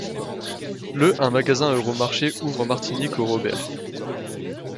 Le un magasin Euromarché ouvre en Martinique au Robert.